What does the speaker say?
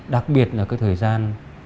đặc biệt là cái thời gian